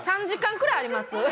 ３時間くらいあります？